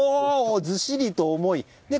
ずしりと重い！